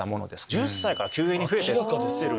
１０歳から急激に増えてる。